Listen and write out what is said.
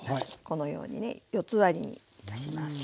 このようにね四つ割りにいたします。